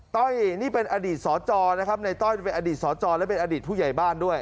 ต้อยนี่เป็นอดีตสจนะครับในต้อยเป็นอดีตสจและเป็นอดีตผู้ใหญ่บ้านด้วย